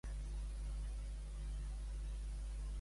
—D'allò... —D'allò en fan taps!